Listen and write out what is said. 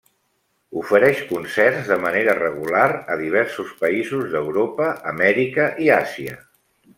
Ofereix concerts de manera regular a diversos països d'Europa, Amèrica i Àsia.